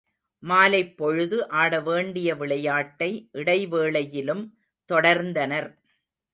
மாலைப்பொழுது ஆடவேண்டிய விளையாட்டை இடைவேளையிலும் தொடர்ந்தனர்.